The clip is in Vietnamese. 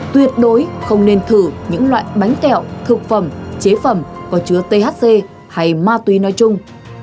tuyệt đối không nên thử những loại bánh kẹo thực phẩm chế phẩm có chứa thc hay ma túy nói chung